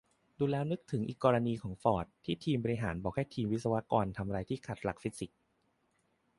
ดูแล้วนึกถึงอีกกรณีของฟอร์ด ที่ทีมบริหารบอกให้ทีมวิศวกรทำอะไรที่ขัดหลักฟิสิกส์